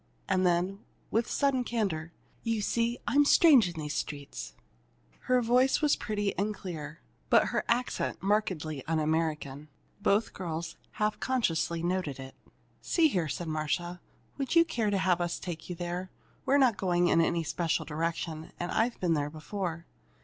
And then, with sudden candor, "You see, I'm strange in these streets." Her voice was clear and pretty, but her accent markedly un American. Both girls half consciously noted it. "See here," said Marcia; "would you care to have us take you there? We're not going in any special direction, and I've been there before."